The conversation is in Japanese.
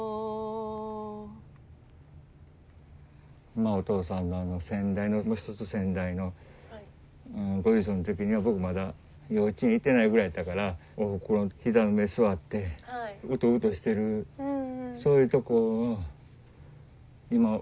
今のお父さんの先代のもう一つ先代のご住職の時には僕まだ幼稚園行ってないぐらいやったからおふくろの膝の上座ってうとうとしてるそういうところを今思い浮かべたわ。